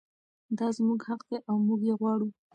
دا زموږ حق دی او موږ یې غواړو.